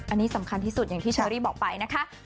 อันนี้สำคัญที่สุดอย่างที่เชอรี่บอกไปนะคะ